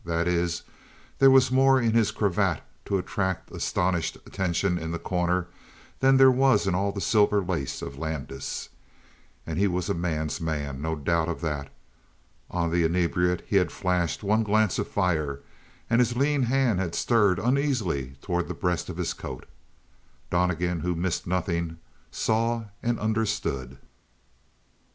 That is, there was more in his cravat to attract astonished attention in The Corner than there was in all the silver lace of Landis. And he was a man's man, no doubt of that. On the inebriate he had flashed one glance of fire, and his lean hand had stirred uneasily toward the breast of his coat. Donnegan, who missed nothing, saw and understood.